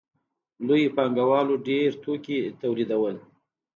لویو پانګوالو ډېر توکي تولیدول